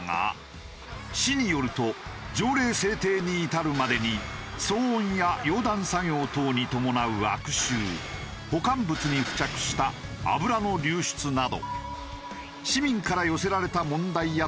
市によると条例制定に至るまでに騒音や溶断作業等に伴う悪臭保管物に付着した油の流出など市民から寄せられた問題や問い合わせが